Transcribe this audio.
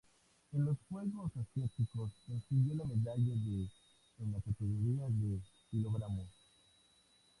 En los Juegos Asiáticos consiguió la medalla de en la categoría de kg.